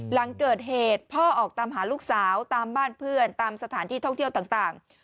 หลังเกิดเหตุพ่อออกตามหาลูกสาวตามบ้านเพื่อนตามสถานที่ท่องเที่ยวต่าง